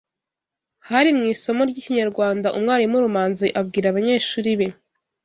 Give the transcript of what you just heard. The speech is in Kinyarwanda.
Hari mu isomo ry’Ikinyarwanda umwarimu Rumanzi abwira abanyeshuri be